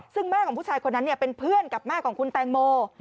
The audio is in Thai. ซึ่งแม่ของผู้ชายคนนั้นเป็นเพื่อนกับแม่ของคุณแตงโม